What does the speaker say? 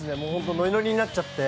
ノリノリになっちゃって。